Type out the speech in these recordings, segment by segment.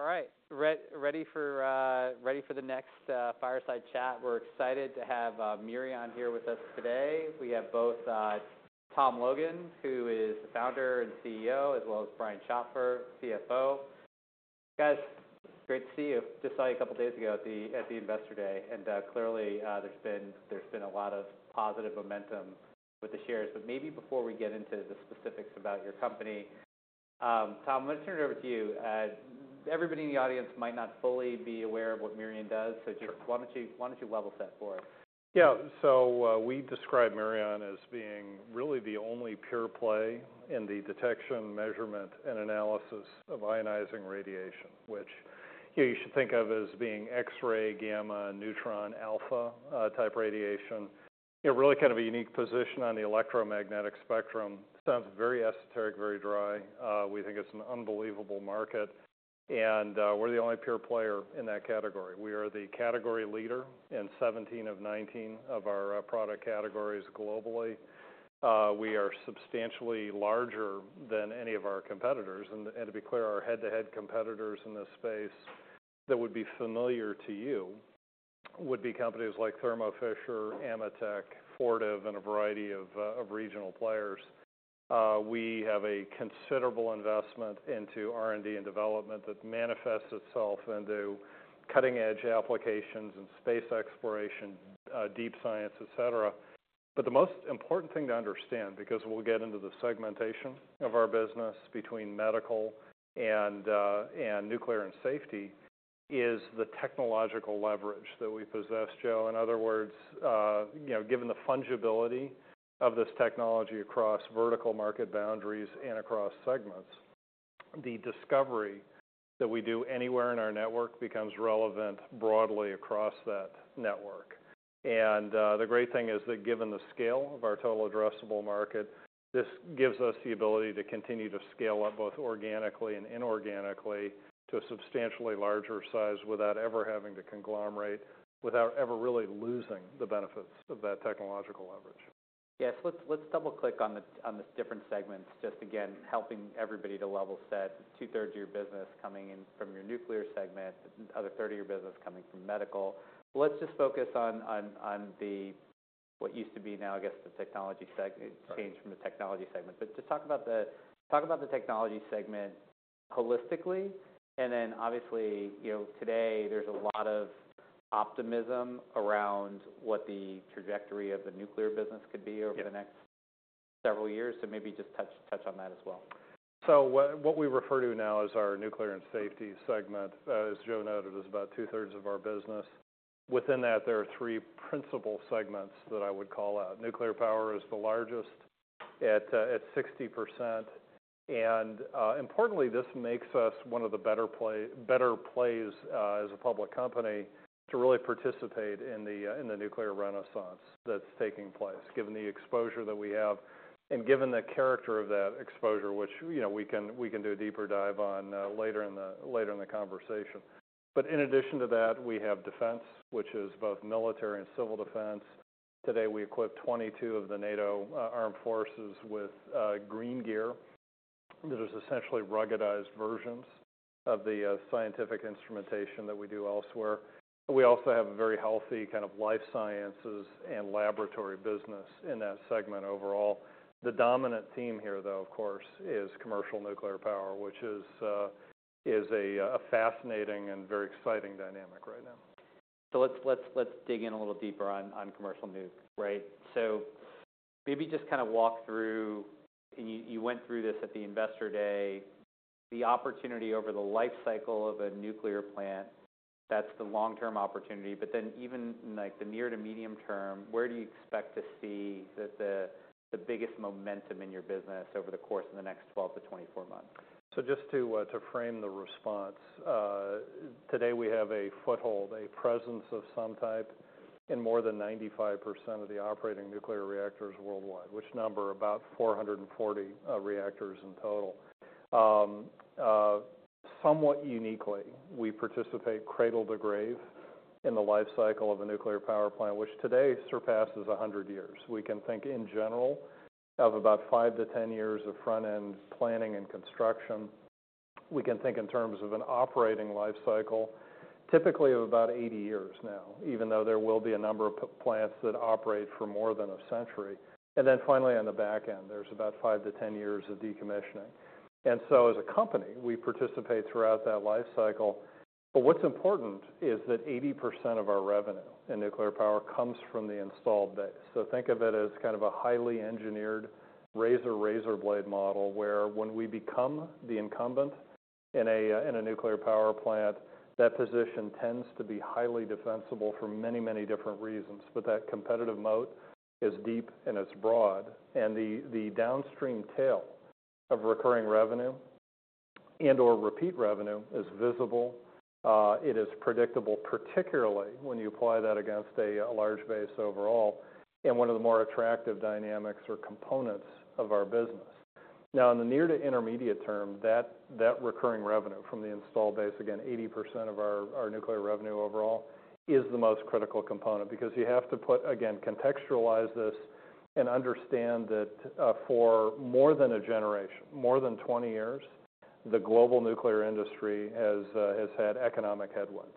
All right. Ready for the next fireside chat. We're excited to have Mirion here with us today. We have both Tom Logan, who is the founder and CEO, as well as Brian Schopfer, CFO. Guys, great to see you. Just saw you a couple days ago at the Investor Day. And, clearly, there's been a lot of positive momentum with the shares. But maybe before we get into the specifics about your company, Tom, I'm gonna turn it over to you. Everybody in the audience might not fully be aware of what Mirion does, so just. Sure. Why don't you level set for us? Yeah. So, we describe Mirion as being really the only pure play in the detection, measurement, and analysis of ionizing radiation, which, you know, you should think of as being X-ray, gamma, neutron, alpha type radiation. You know, really kind of a unique position on the electromagnetic spectrum. Sounds very esoteric, very dry. We think it's an unbelievable market. And, we're the only pure player in that category. We are the category leader in 17 of 19 of our product categories globally. We are substantially larger than any of our competitors. And, to be clear, our head-to-head competitors in this space that would be familiar to you would be companies like Thermo Fisher, Ametek, Fortive, and a variety of regional players. We have a considerable investment into R&D and development that manifests itself into cutting-edge applications and space exploration, deep science, etc. But the most important thing to understand, because we'll get into the segmentation of our business between medical and nuclear and safety, is the technological leverage that we possess, Joe. In other words, you know, given the fungibility of this technology across vertical market boundaries and across segments, the discovery that we do anywhere in our network becomes relevant broadly across that network. And, the great thing is that given the scale of our total addressable market, this gives us the ability to continue to scale up both organically and inorganically to a substantially larger size without ever having to conglomerate, without ever really losing the benefits of that technological leverage. Yes. Let's double-click on the different segments, just again, helping everybody to level set. Two-thirds of your business coming in from your nuclear segment, another third of your business coming from medical. Let's just focus on the what used to be now, I guess, the technology segment. Sure. Change from the technology segment, but just talk about the technology segment holistically, and then obviously, you know, today there's a lot of optimism around what the trajectory of the nuclear business could be over the next. Yeah. Several years. So maybe just touch on that as well. What we refer to now as our nuclear and safety segment, as Joe noted, is about two-thirds of our business. Within that, there are three principal segments that I would call out. Nuclear power is the largest at 60%. And, importantly, this makes us one of the better play, better plays, as a public company to really participate in the nuclear renaissance that's taking place, given the exposure that we have and given the character of that exposure, which, you know, we can do a deeper dive on, later in the conversation. But in addition to that, we have defense, which is both military and civil defense. Today we equip 22 of the NATO armed forces with green gear. Those are essentially ruggedized versions of the scientific instrumentation that we do elsewhere. We also have a very healthy kind of life sciences and laboratory business in that segment overall. The dominant theme here, though, of course, is commercial nuclear power, which is a fascinating and very exciting dynamic right now. So let's dig in a little deeper on commercial nuclear, right? So maybe just kind of walk through, and you went through this at the Investor Day, the opportunity over the life cycle of a nuclear plant, that's the long-term opportunity. But then even in, like, the near to medium term, where do you expect to see the biggest momentum in your business over the course of the next 12 months-24 months? So just to frame the response, today we have a foothold, a presence of some type in more than 95% of the operating nuclear reactors worldwide, which number about 440 reactors in total. Somewhat uniquely, we participate cradle to grave in the life cycle of a nuclear power plant, which today surpasses 100 years. We can think in general of about 5 years-10 years of front-end planning and construction. We can think in terms of an operating life cycle, typically of about 80 years now, even though there will be a number of plants that operate for more than a century. And then finally on the back end, there's about 5 years-10 years of decommissioning. And so as a company, we participate throughout that life cycle. But what's important is that 80% of our revenue in nuclear power comes from the installed base. So think of it as kind of a highly engineered razor blade model where when we become the incumbent in a nuclear power plant, that position tends to be highly defensible for many, many different reasons. But that competitive moat is deep and it's broad. And the downstream tail of recurring revenue and/or repeat revenue is visible. It is predictable, particularly when you apply that against a large base overall and one of the more attractive dynamics or components of our business. Now, in the near to intermediate term, that recurring revenue from the installed base, again, 80% of our nuclear revenue overall, is the most critical component because you have to put, again, contextualize this and understand that, for more than a generation, more than 20 years, the global nuclear industry has had economic headwinds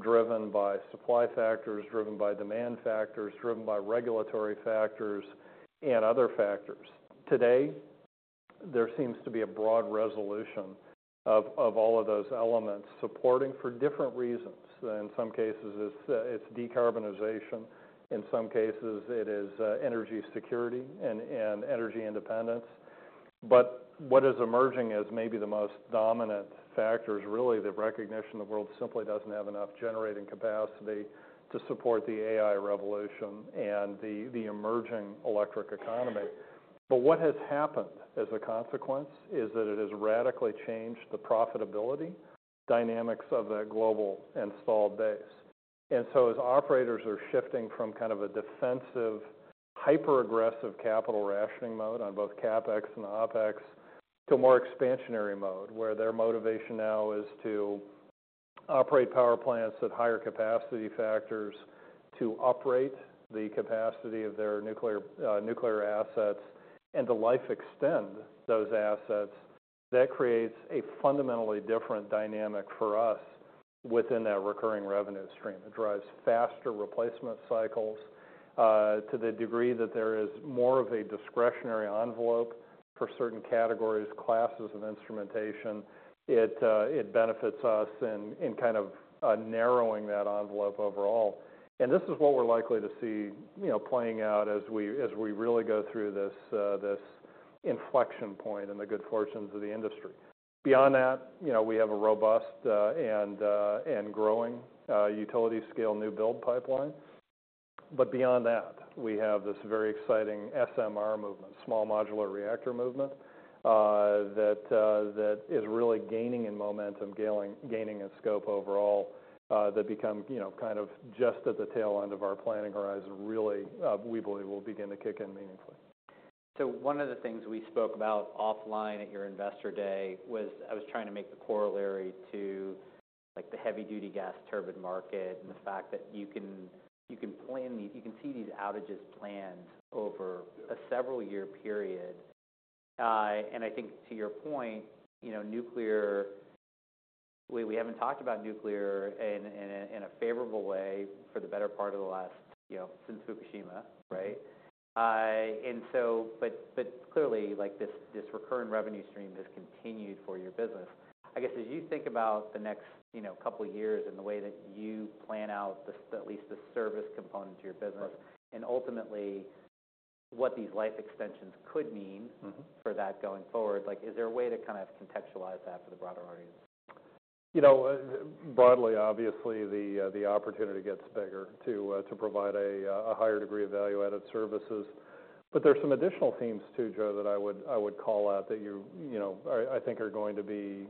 driven by supply factors, driven by demand factors, driven by regulatory factors, and other factors. Today, there seems to be a broad resolution of all of those elements supporting, for different reasons, that in some cases is decarbonization. In some cases, it is energy security and energy independence. But what is emerging as maybe the most dominant factor is really the recognition the world simply doesn't have enough generating capacity to support the AI revolution and the emerging electric economy. But what has happened as a consequence is that it has radically changed the profitability dynamics of that global installed base. And so as operators are shifting from kind of a defensive, hyper-aggressive capital rationing mode on both CapEx and OpEx to a more expansionary mode where their motivation now is to operate power plants at higher capacity factors to uprate the capacity of their nuclear assets and to life extend those assets, that creates a fundamentally different dynamic for us within that recurring revenue stream. It drives faster replacement cycles, to the degree that there is more of a discretionary envelope for certain categories, classes of instrumentation. It benefits us in kind of narrowing that envelope overall. This is what we're likely to see, you know, playing out as we really go through this inflection point in the good fortunes of the industry. Beyond that, you know, we have a robust and growing utility scale new build pipeline. But beyond that, we have this very exciting SMR movement, small modular reactor movement, that is really gaining in momentum, gaining in scope overall, that becomes, you know, kind of just at the tail end of our planning horizon, really, we believe will begin to kick in meaningfully. So, one of the things we spoke about offline at your Investor Day was I was trying to make the corollary to, like, the heavy-duty gas turbine market and the fact that you can plan these, you can see these outages planned over a several-year period. I think to your point, you know, nuclear, we haven't talked about nuclear in a favorable way for the better part of the last, you know, since Fukushima, right? So, but clearly, like, this recurring revenue stream has continued for your business. I guess as you think about the next, you know, couple years and the way that you plan out at least the service component to your business and ultimately what these life extensions could mean. Mm-hmm. For that going forward, like, is there a way to kind of contextualize that for the broader audience? You know, broadly, obviously, the opportunity gets bigger to provide a higher degree of value-added services. But there's some additional themes too, Joe, that I would call out that you know, I think are going to be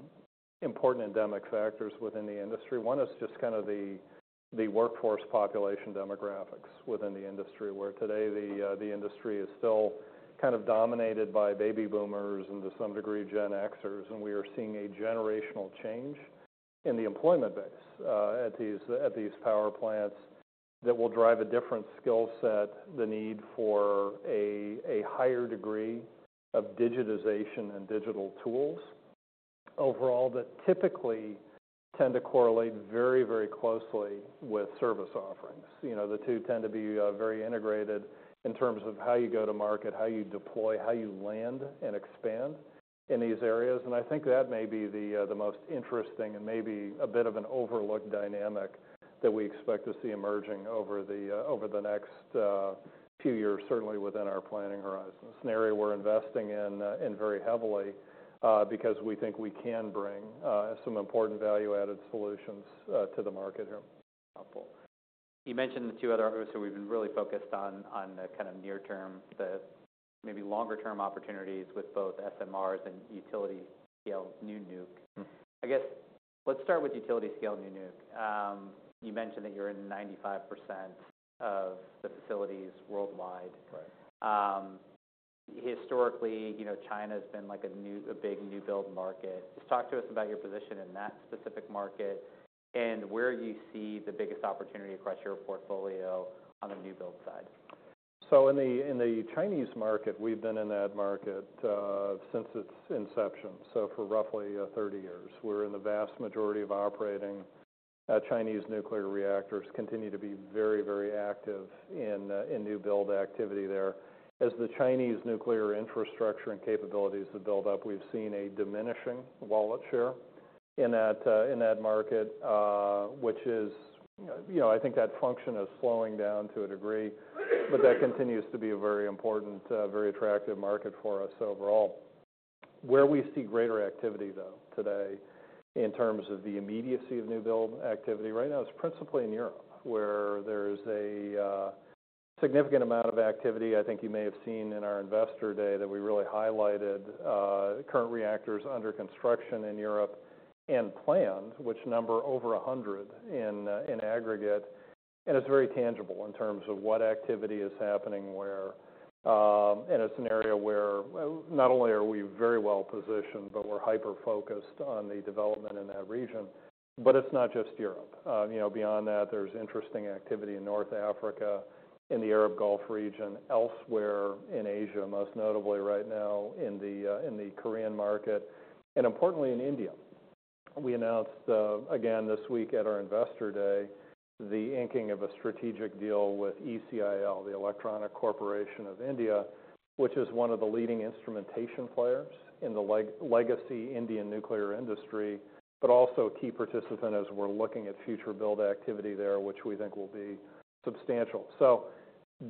important endemic factors within the industry. One is just kind of the workforce population demographics within the industry where today the industry is still kind of dominated by Baby Boomers and to some degree Gen Xers. And we are seeing a generational change in the employment base at these power plants that will drive a different skill set, the need for a higher degree of digitization and digital tools overall that typically tend to correlate very, very closely with service offerings. You know, the two tend to be very integrated in terms of how you go to market, how you deploy, how you land and expand in these areas, and I think that may be the most interesting and maybe a bit of an overlooked dynamic that we expect to see emerging over the next few years, certainly within our planning horizons. An area we're investing in very heavily, because we think we can bring some important value-added solutions to the market here. You mentioned the two other areas who we've been really focused on, on the kind of near-term, the maybe longer-term opportunities with both SMRs and utility-scale new nuke. Mm-hmm. I guess let's start with utility scale new nuke. You mentioned that you're in 95% of the facilities worldwide. Right. Historically, you know, China has been like a big new build market. Just talk to us about your position in that specific market and where you see the biggest opportunity across your portfolio on the new build side. So in the Chinese market, we've been in that market since its inception, so for roughly 30 years. We're in the vast majority of operating Chinese nuclear reactors continue to be very, very active in new build activity there. As the Chinese nuclear infrastructure and capabilities have built up, we've seen a diminishing wallet share in that market, which is, you know, I think that function is slowing down to a degree, but that continues to be a very important, very attractive market for us overall. Where we see greater activity though today in terms of the immediacy of new build activity right now is principally in Europe where there's a significant amount of activity. I think you may have seen in our Investor Day that we really highlighted current reactors under construction in Europe and planned, which number over 100 in aggregate. It's very tangible in terms of what activity is happening where, in a scenario where, not only are we very well positioned, but we're hyper-focused on the development in that region. It's not just Europe. You know, beyond that, there's interesting activity in North Africa, in the Arab Gulf region, elsewhere in Asia, most notably right now in the Korean market, and importantly in India. We announced, again this week at our Investor Day, the inking of a strategic deal with ECIL, the Electronics Corporation of India, which is one of the leading instrumentation players in the legacy Indian nuclear industry, but also a key participant as we're looking at future build activity there, which we think will be substantial.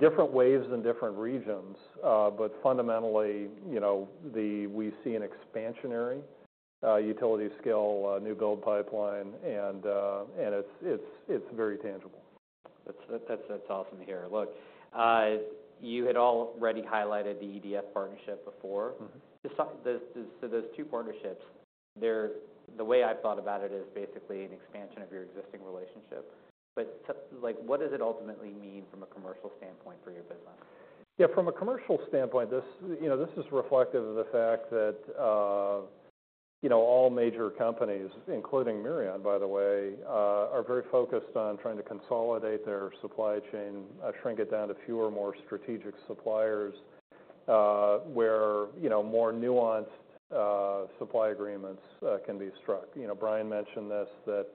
Different waves in different regions, but fundamentally, you know, we see an expansionary, utility scale, new build pipeline and it's very tangible. That's awesome to hear. Look, you had already highlighted the EDF partnership before. Mm-hmm. So those two partnerships. They're the way I've thought about it is basically an expansion of your existing relationship. But, like, what does it ultimately mean from a commercial standpoint for your business? Yeah, from a commercial standpoint, this, you know, this is reflective of the fact that, you know, all major companies, including Mirion, by the way, are very focused on trying to consolidate their supply chain, shrink it down to fewer more strategic suppliers, where, you know, more nuanced supply agreements can be struck. You know, Brian mentioned this, that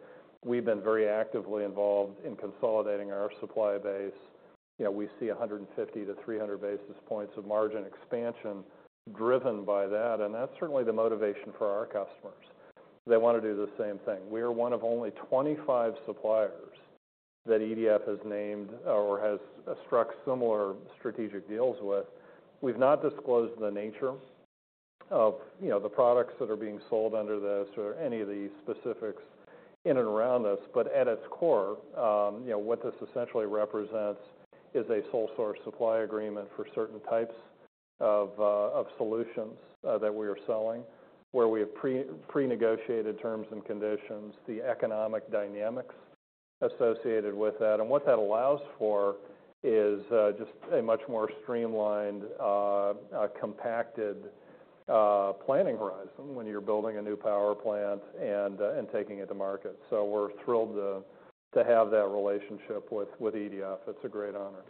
we've been very actively involved in consolidating our supply base. You know, we see 150 basis points-300 basis points of margin expansion driven by that. And that's certainly the motivation for our customers. They want to do the same thing. We are one of only 25 suppliers that EDF has named or has struck similar strategic deals with. We've not disclosed the nature of, you know, the products that are being sold under this or any of the specifics in and around this. But at its core, you know, what this essentially represents is a sole source supply agreement for certain types of solutions that we are selling where we have pre-prenegotiated terms and conditions, the economic dynamics associated with that. And what that allows for is just a much more streamlined, compacted planning horizon when you're building a new power plant and taking it to market. So we're thrilled to have that relationship with EDF. It's a great honor.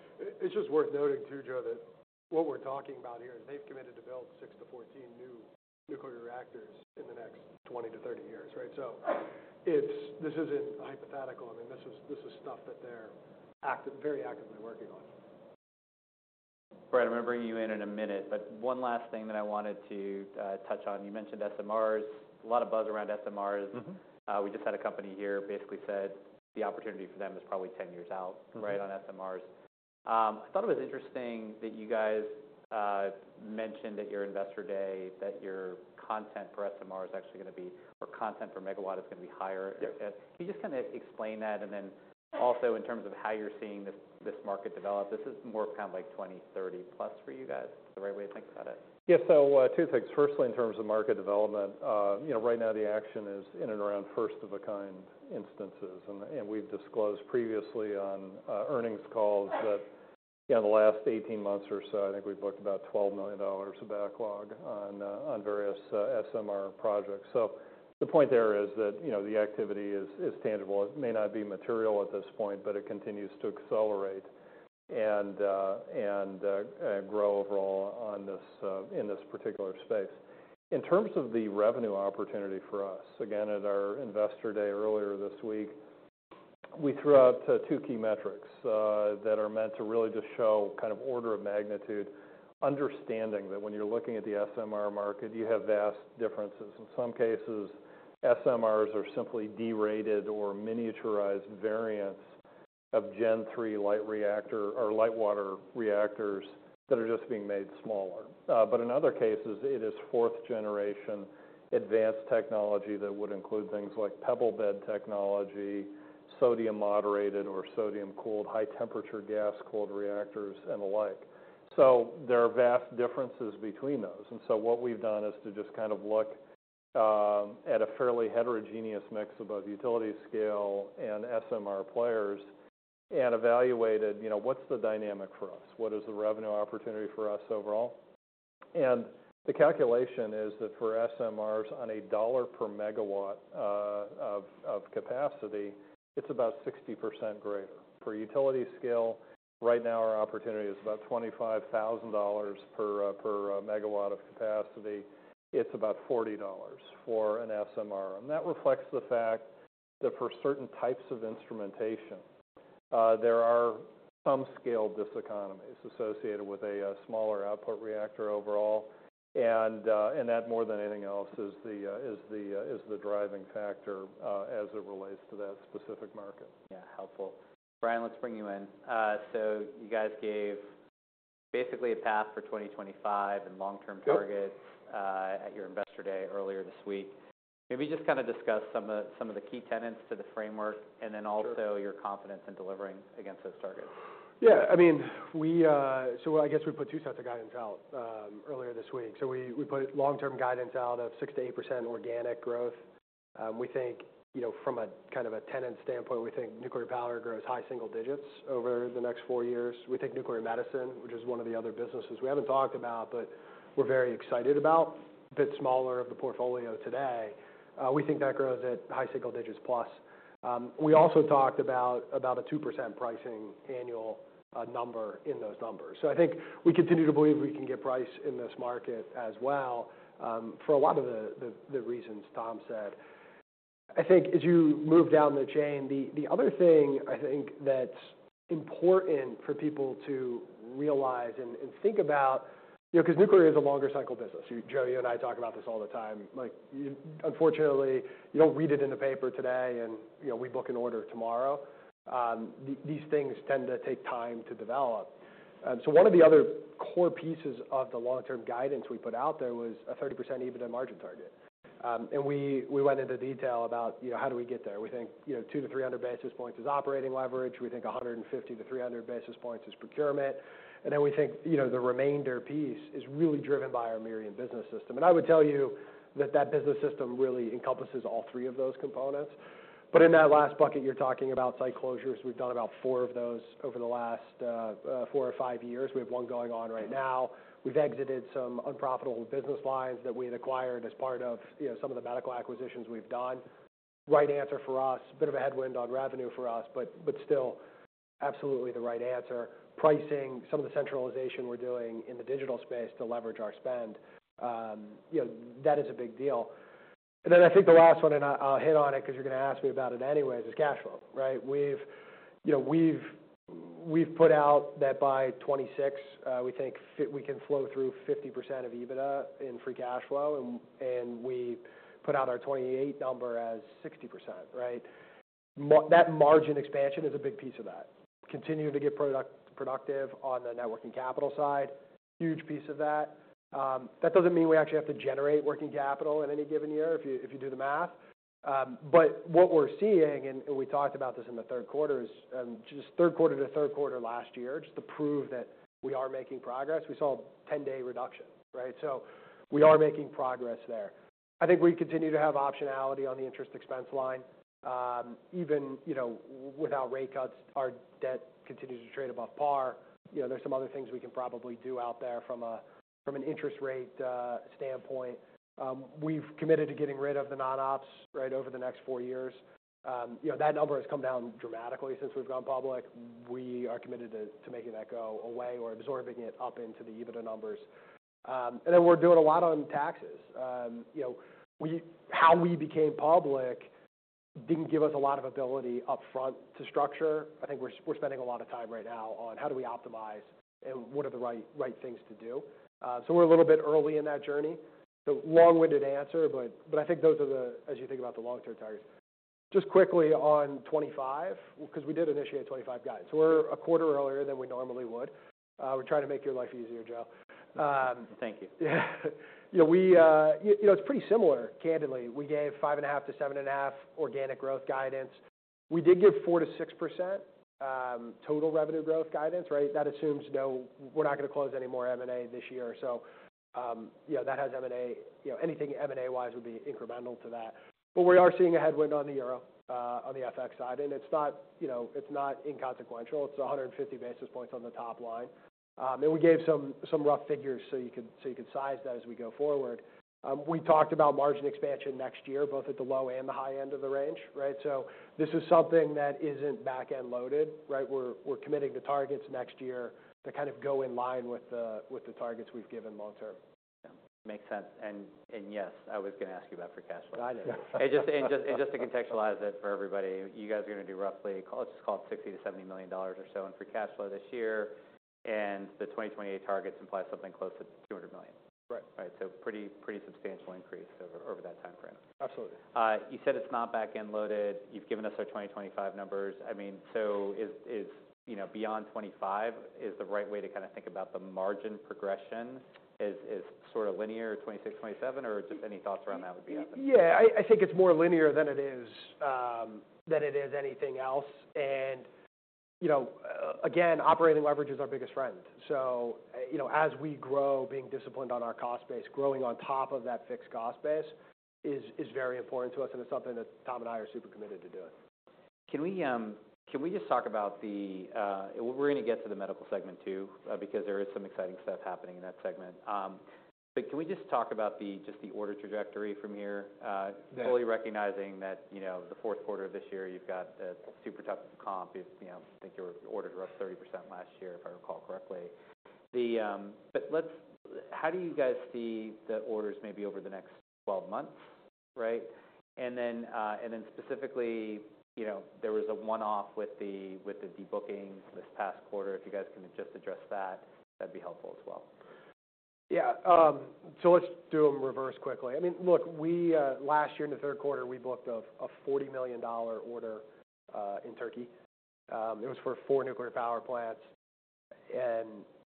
It's just worth noting too, Joe, that what we're talking about here is they've committed to build 6-14 new nuclear reactors in the next 20 years-30 years, right? So this isn't hypothetical. I mean, this is stuff that they're very actively working on. Brian, I'm gonna bring you in in a minute, but one last thing that I wanted to, touch on. You mentioned SMRs, a lot of buzz around SMRs. Mm-hmm. We just had a company here basically said the opportunity for them is probably 10 years out. Mm-hmm. Right on SMRs. I thought it was interesting that you guys mentioned at your Investor Day that your content for SMR is actually gonna be, or content for Megawatt is gonna be higher. Yep. And can you just kind of explain that? And then also in terms of how you're seeing this market develop, this is more of kind of like 20-30+ for you guys. Is that the right way to think about it? Yeah, so, two things. Firstly, in terms of market development, you know, right now the action is in and around first of a kind instances. And we've disclosed previously on earnings calls that in the last 18 months or so, I think we've booked about $12 million of backlog on various SMR projects. So the point there is that, you know, the activity is tangible. It may not be material at this point, but it continues to accelerate and grow overall on this, in this particular space. In terms of the revenue opportunity for us, again, at our Investor Day earlier this week, we threw out two key metrics that are meant to really just show kind of order of magnitude, understanding that when you're looking at the SMR market, you have vast differences. In some cases, SMRs are simply derated or miniaturized variants of Gen 3 light reactor or light water reactors that are just being made smaller. But in other cases, it is fourth generation advanced technology that would include things like pebble bed technology, sodium moderated or sodium cooled high temperature gas cooled reactors and the like. So there are vast differences between those. And so what we've done is to just kind of look at a fairly heterogeneous mix of both utility scale and SMR players and evaluated, you know, what's the dynamic for us? What is the revenue opportunity for us overall? And the calculation is that for SMRs on a dollar per megawatt of capacity, it's about 60% greater. For utility scale, right now our opportunity is about $25,000 per megawatt of capacity. It's about $40 for an SMR. And that reflects the fact that for certain types of instrumentation, there are some scale diseconomies associated with a smaller output reactor overall. And that more than anything else is the driving factor, as it relates to that specific market. Yeah, helpful. Brian, let's bring you in. So you guys gave basically a path for 2025 and long-term targets. Yep. at your Investor Day earlier this week. Maybe just kind of discuss some of the key tenets to the framework and then also. Sure. Your confidence in delivering against those targets. Yeah, I mean, so I guess we put two sets of guidance out earlier this week. So we put long-term guidance out of 6%-8% organic growth. We think, you know, from a kind of a tenet standpoint, we think nuclear power grows high single digits over the next four years. We think nuclear medicine, which is one of the other businesses we haven't talked about, but we're very excited about, a bit smaller of the portfolio today. We think that grows at high single digits plus. We also talked about a 2% pricing annual number in those numbers. So I think we continue to believe we can get price in this market as well, for a lot of the reasons Tom said. I think as you move down the chain, the other thing I think that's important for people to realize and think about, you know, 'cause nuclear is a longer cycle business. You, Joe, you and I talk about this all the time. Like, unfortunately, you don't read it in the paper today and, you know, we book an order tomorrow. These things tend to take time to develop, so one of the other core pieces of the long-term guidance we put out there was a 30% EBITDA margin target, and we went into detail about, you know, how do we get there? We think, you know, 200 basis points-300 basis points is operating leverage. We think 150 basis points-300 basis points is procurement. And then we think, you know, the remainder piece is really driven by our Mirion Business System. I would tell you that that business system really encompasses all three of those components. But in that last bucket, you're talking about site closures. We've done about four of those over the last four or five years. We have one going on right now. We've exited some unprofitable business lines that we had acquired as part of, you know, some of the medical acquisitions we've done. Right answer for us, bit of a headwind on revenue for us, but still absolutely the right answer. Pricing, some of the centralization we're doing in the digital space to leverage our spend, you know, that is a big deal. And then I think the last one, and I, I'll hit on it 'cause you're gonna ask me about it anyways, is cash flow, right? We've, you know, put out that by 2026, we think we can flow through 50% of EBITDA in free cash flow. And we put out our 2028 number as 60%, right? So that margin expansion is a big piece of that. Continue to get more productive on the working capital side, huge piece of that. That doesn't mean we actually have to generate working capital in any given year if you do the math. But what we're seeing, and we talked about this in the third quarter is, just third quarter to third quarter last year, just to prove that we are making progress. We saw a 10-day reduction, right? So we are making progress there. I think we continue to have optionality on the interest expense line. Even, you know, without rate cuts, our debt continues to trade above par. You know, there's some other things we can probably do out there from a, from an interest rate standpoint. We've committed to getting rid of the non-ops, right, over the next four years. You know, that number has come down dramatically since we've gone public. We are committed to making that go away or absorbing it up into the EBITDA numbers, and then we're doing a lot on taxes. You know, how we became public didn't give us a lot of ability upfront to structure. I think we're spending a lot of time right now on how do we optimize and what are the right, right things to do, so we're a little bit early in that journey. So long-winded answer, but I think those are the, as you think about the long-term targets. Just quickly on 2025, 'cause we did initiate 2025 guidance. We're a quarter earlier than we normally would. We're trying to make your life easier, Joe. Thank you. Yeah. You know, it's pretty similar, candidly. We gave 5.5%-7.5% organic growth guidance. We did give 4%-6% total revenue growth guidance, right? That assumes, no, we're not gonna close any more M&A this year. So, you know, that has M&A, you know, anything M&A-wise would be incremental to that. But we are seeing a headwind on the euro, on the FX side. And it's not, you know, it's not inconsequential. It's 150 basis points on the top line. And we gave some rough figures so you could size that as we go forward. We talked about margin expansion next year, both at the low and the high end of the range, right? So this is something that isn't back-end loaded, right? We're committing to targets next year that kind of go in line with the targets we've given long-term. Yeah, makes sense. And yes, I was gonna ask you about free cash flow. I know. And just to contextualize it for everybody, you guys are gonna do roughly, call it $60 million-$70 million or so in free cash flow this year. And the 2028 targets imply something close to $200 million. Right. Right? So pretty substantial increase over that timeframe. Absolutely. You said it's not back-end loaded. You've given us our 2025 numbers. I mean, so is, you know, beyond 2025 the right way to kind of think about the margin progression? Is sort of linear 2026, 2027, or just any thoughts around that would be? Yeah, I think it's more linear than it is anything else. You know, again, operating leverage is our biggest friend. You know, as we grow, being disciplined on our cost base, growing on top of that fixed cost base is very important to us. It's something that Tom and I are super committed to doing. Can we just talk about what we're gonna get to the medical segment too, because there is some exciting stuff happening in that segment. But can we just talk about the order trajectory from here? Yeah. Fully recognizing that, you know, the fourth quarter of this year, you've got a super tough comp. You know, think your orders roughly 30% last year, if I recall correctly. But let's, how do you guys see the orders maybe over the next 12 months, right? And then specifically, you know, there was a one-off with the debookings this past quarter. If you guys can just address that, that'd be helpful as well. Yeah, so let's do them reverse quickly. I mean, look, we last year in the third quarter we booked a $40 million order in Turkey. It was for four nuclear power plants. And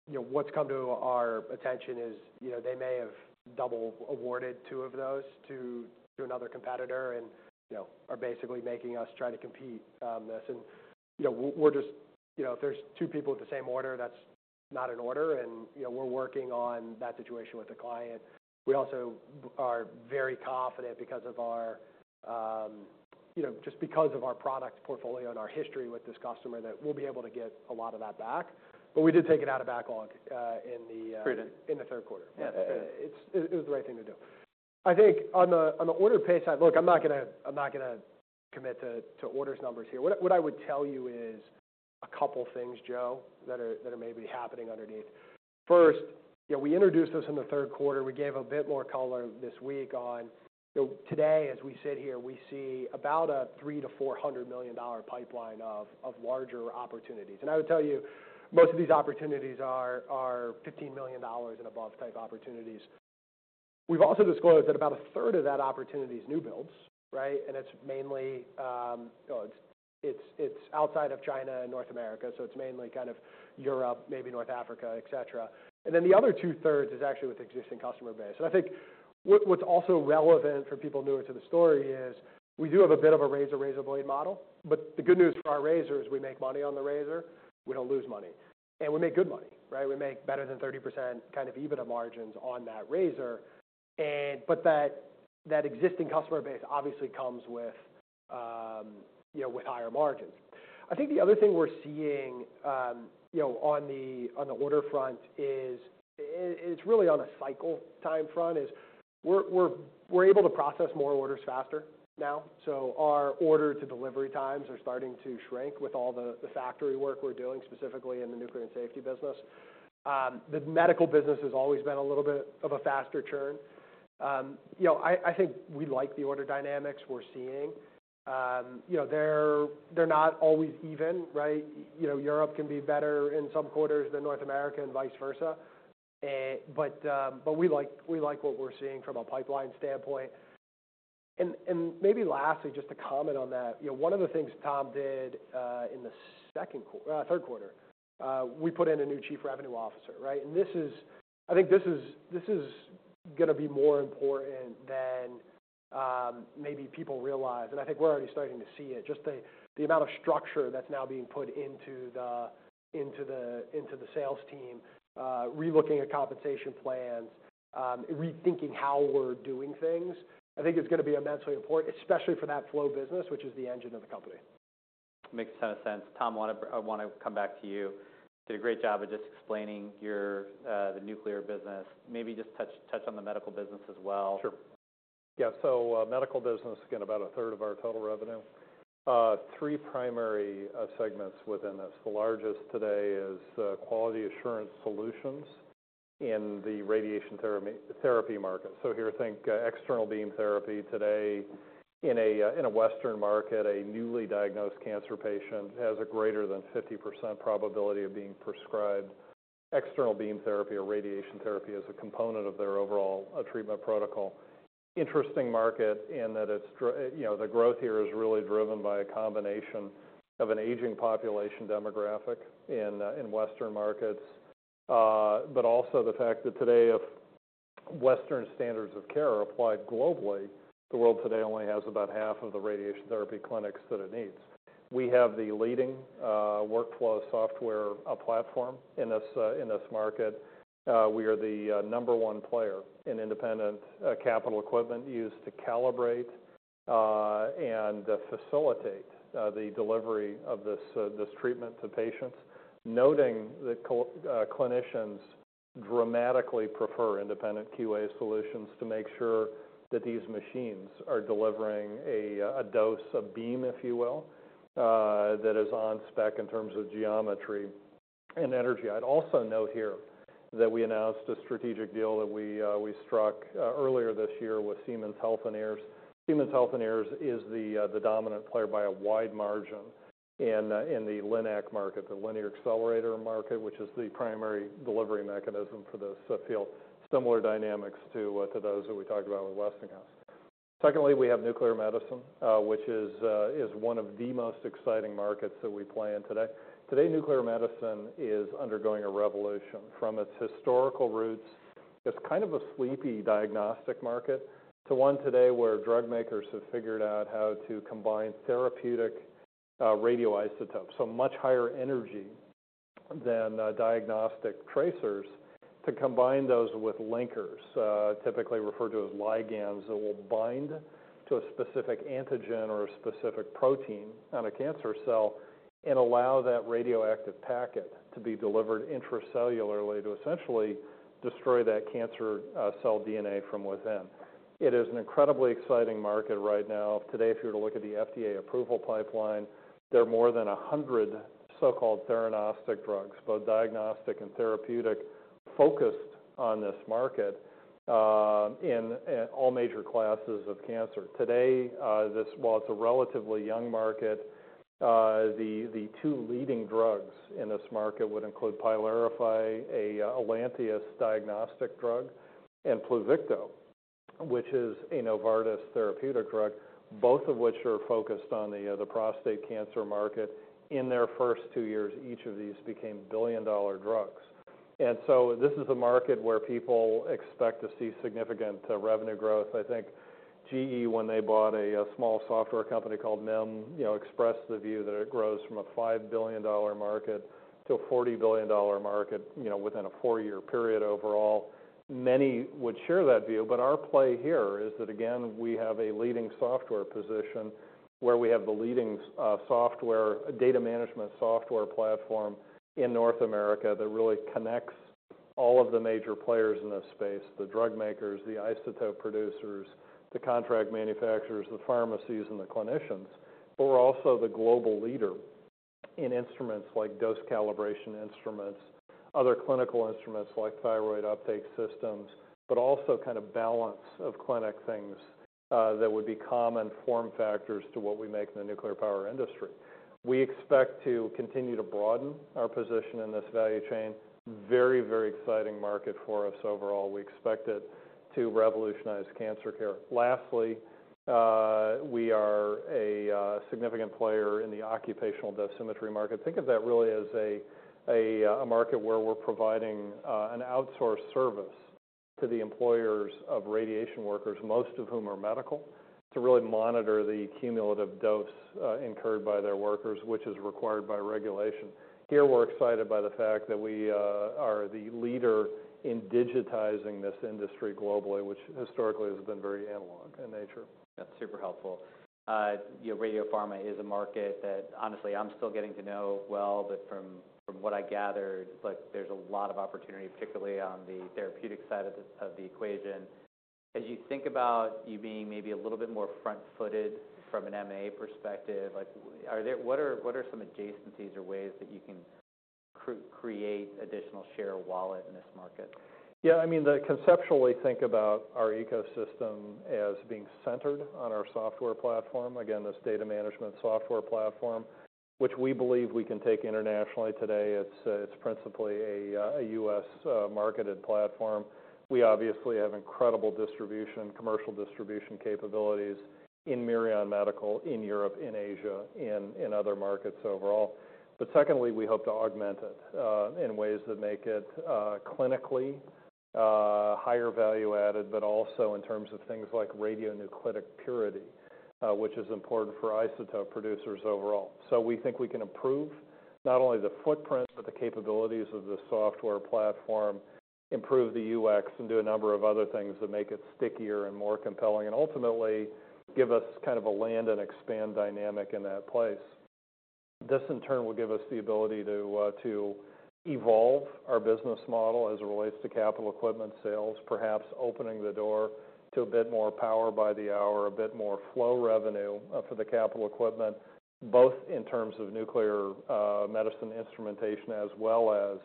you know what's come to our attention is you know they may have double awarded two of those to another competitor and you know are basically making us try to compete this. And you know we're just you know if there's two people with the same order that's not an order. And you know we're working on that situation with the client. We also are very confident because of our you know just because of our product portfolio and our history with this customer that we'll be able to get a lot of that back. But we did take it out of backlog in the Prudent. In the third quarter. Yeah, yeah, yeah. It was the right thing to do. I think on the order book side, look, I'm not gonna commit to order numbers here. What I would tell you is a couple things, Joe, that are maybe happening underneath. First, you know, we introduced this in the third quarter. We gave a bit more color this week on, you know, today, as we sit here, we see about a $300 million-$400 million pipeline of larger opportunities. And I would tell you most of these opportunities are $15 million and above type opportunities. We've also disclosed that about a third of that opportunity is new builds, right? And it's mainly, you know, it's outside of China and North America. So it's mainly kind of Europe, maybe North Africa, etc. And then the other two-thirds is actually with existing customer base. And I think what's also relevant for people newer to the story is we do have a bit of a razor-blade model. But the good news for our razor is we make money on the razor. We don't lose money. And we make good money, right? We make better than 30% EBITDA margins on that razor. And but that existing customer base obviously comes with you know with higher margins. I think the other thing we're seeing you know on the order front is it's really on a cycle time front. We're able to process more orders faster now. So our order to delivery times are starting to shrink with all the factory work we're doing specifically in the nuclear and safety business. The medical business has always been a little bit of a faster churn. You know, I think we like the order dynamics we're seeing. You know, they're not always even, right? You know, Europe can be better in some quarters than North America and vice versa, but we like what we're seeing from a pipeline standpoint, and maybe lastly, just to comment on that, you know, one of the things Tom did. In the second quarter, third quarter, we put in a new chief revenue officer, right? This is, I think, gonna be more important than maybe people realize. I think we're already starting to see it. Just the amount of structure that's now being put into the sales team, re-looking at compensation plans, rethinking how we're doing things, I think is gonna be immensely important, especially for that flow business, which is the engine of the company. Makes a ton of sense. Tom, I wanna come back to you. You did a great job of just explaining your, the nuclear business. Maybe just touch on the medical business as well. Sure. Yeah, so medical business, again, about a third of our total revenue. Three primary segments within this. The largest today is quality assurance solutions in the radiation therapy market. So here, think external beam therapy today in a Western market, a newly diagnosed cancer patient has a greater than 50% probability of being prescribed external beam therapy or radiation therapy as a component of their overall treatment protocol. Interesting market in that it's, you know, the growth here is really driven by a combination of an aging population demographic in Western markets. But also the fact that today, if Western standards of care are applied globally, the world today only has about half of the radiation therapy clinics that it needs. We have the leading workflow software platform in this market. We are the number one player in independent capital equipment used to calibrate and facilitate the delivery of this treatment to patients, noting that clinicians dramatically prefer independent QA solutions to make sure that these machines are delivering a dose of beam, if you will, that is on spec in terms of geometry and energy. I'd also note here that we announced a strategic deal that we struck earlier this year with Siemens Healthineers. Siemens Healthineers is the dominant player by a wide margin in the LINAC market, the linear accelerator market, which is the primary delivery mechanism for this. I feel similar dynamics to those that we talked about with Westinghouse. Secondly, we have nuclear medicine, which is one of the most exciting markets that we play in today. Today, nuclear medicine is undergoing a revolution from its historical roots. It's kind of a sleepy diagnostic market to one today where drug makers have figured out how to combine therapeutic radioisotopes, so much higher energy than diagnostic tracers, to combine those with linkers, typically referred to as ligands that will bind to a specific antigen or a specific protein on a cancer cell and allow that radioactive packet to be delivered intracellularly to essentially destroy that cancer cell DNA from within. It is an incredibly exciting market right now. Today, if you were to look at the FDA approval pipeline, there are more than 100 so-called theranostic drugs, both diagnostic and therapeutic, focused on this market in all major classes of cancer. Today, this, while it's a relatively young market, the two leading drugs in this market would include PYLARIFY, a Lantheus diagnostic drug, and PLUVICTO, which is a Novartis therapeutic drug, both of which are focused on the prostate cancer market. In their first two years, each of these became billion-dollar drugs. And so this is a market where people expect to see significant revenue growth. I think GE, when they bought a small software company called MIM, you know, expressed the view that it grows from a $5 billion market to a $40 billion market, you know, within a four-year period overall. Many would share that view. But our play here is that, again, we have a leading software position where we have the leading software data management software platform in North America that really connects all of the major players in this space, the drug makers, the isotope producers, the contract manufacturers, the pharmacies, and the clinicians. But we're also the global leader in instruments like dose calibration instruments, other clinical instruments like thyroid uptake systems, but also kind of balance of clinic things, that would be common form factors to what we make in the nuclear power industry. We expect to continue to broaden our position in this value chain. Very, very exciting market for us overall. We expect it to revolutionize cancer care. Lastly, we are a significant player in the occupational dosimetry market. Think of that really as a market where we're providing an outsourced service to the employers of radiation workers, most of whom are medical, to really monitor the cumulative dose incurred by their workers, which is required by regulation. Here, we're excited by the fact that we are the leader in digitizing this industry globally, which historically has been very analog in nature. That's super helpful. You know, radiopharma is a market that, honestly, I'm still getting to know well, but from what I gathered, like, there's a lot of opportunity, particularly on the therapeutic side of the equation. As you think about you being maybe a little bit more front-footed from an M&A perspective, like, are there, what are some adjacencies or ways that you can create additional share of wallet in this market? Yeah, I mean, conceptually, think about our ecosystem as being centered on our software platform. Again, this data management software platform, which we believe we can take internationally today. It's principally a U.S. marketed platform. We obviously have incredible distribution, commercial distribution capabilities in Mirion Medical, in Europe, in Asia, in other markets overall. But secondly, we hope to augment it in ways that make it clinically higher value added, but also in terms of things like Radionuclidic purity, which is important for isotope producers overall. So we think we can improve not only the footprint, but the capabilities of the software platform, improve the UX, and do a number of other things that make it stickier and more compelling, and ultimately give us kind of a land and expand dynamic in that place. This, in turn, will give us the ability to evolve our business model as it relates to capital equipment sales, perhaps opening the door to a bit more power by the hour, a bit more flow revenue, for the capital equipment, both in terms of nuclear medicine instrumentation as well as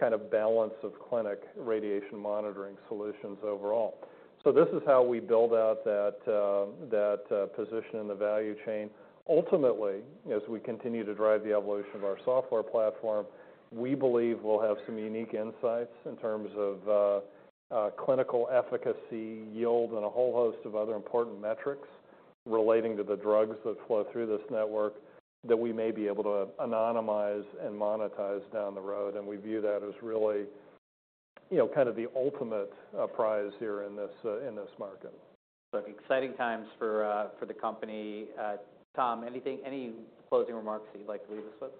kind of balance of clinic radiation monitoring solutions overall. So this is how we build out that position in the value chain. Ultimately, as we continue to drive the evolution of our software platform, we believe we'll have some unique insights in terms of clinical efficacy, yield, and a whole host of other important metrics relating to the drugs that flow through this network that we may be able to anonymize and monetize down the road. And we view that as really, you know, kind of the ultimate prize here in this market. So exciting times for the company. Tom, any closing remarks that you'd like to leave us with?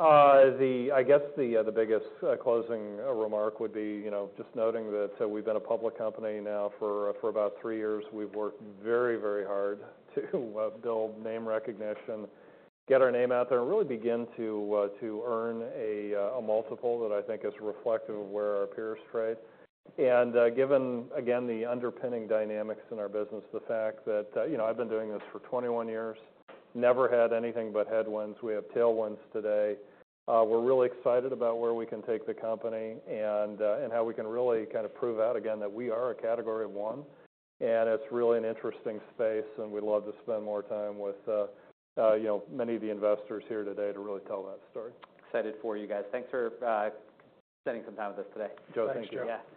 I guess the biggest closing remark would be, you know, just noting that we've been a public company now for about three years. We've worked very, very hard to build name recognition, get our name out there, and really begin to earn a multiple that I think is reflective of where our peers trade. And given again the underpinning dynamics in our business, the fact that, you know, I've been doing this for 21 years, never had anything but headwinds. We have tailwinds today. We're really excited about where we can take the company and how we can really kind of prove out again that we are a category one. And it's really an interesting space, and we'd love to spend more time with, you know, many of the investors here today to really tell that story. Excited for you guys. Thanks for spending some time with us today. Joe, thank you. Thank you.